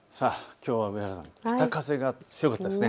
きょうは上原さん、北風が強かったですね。